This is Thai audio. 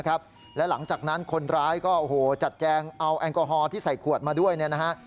แอลกอฮอล์ที่ใส่ขวดมาด้วยเนี่ยนะฮะ